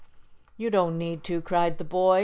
"You don't need to," cried the boy.